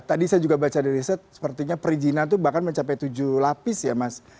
tadi saya juga baca dari riset sepertinya perizinan itu bahkan mencapai tujuh lapis ya mas